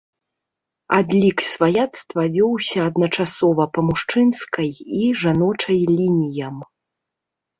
Адлік сваяцтва вёўся адначасова па мужчынскай і жаночай лініям.